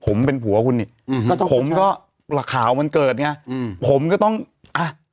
ผมเป็นผัวคุณนี่อืมก็ผมก็ข่าวมันเกิดไงอืมผมก็ต้องอ่ะ